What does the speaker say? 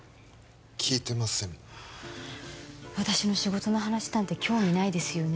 聞いてません私の仕事の話なんて興味ないですよね